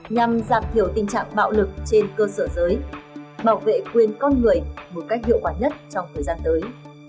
nhằm giảm thiểu tình trạng bạo lực trên cơ sở giới bảo vệ quyền con người một cách hiệu quả nhất trong thời gian tới